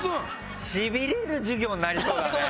しびれる授業になりそうだね！